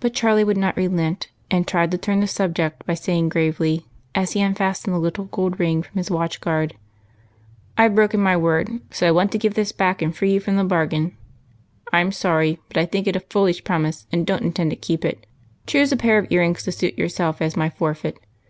But Charlie would not relent, and tried to turn the subject by saying gravely, as he unfastened the little gold ring from his watch guard, —" I 've broken my word, so I want to give this back and free you from the bargain. I 'm sorry, but I think it a foolish promise, and don't intend to keep it. Choose a pair of ear rings to suit yourself, as my forfeit.